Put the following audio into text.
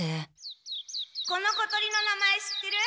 この小鳥の名前知ってる？